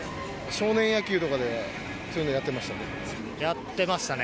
少年野球とかで、そういうのやってましたね。